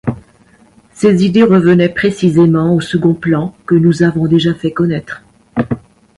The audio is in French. Ces idées revenaient précisément au second plan que nous avons déjà fait connaître.